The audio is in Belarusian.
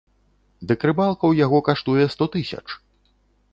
Дык рыбалка ў яго каштуе сто тысяч.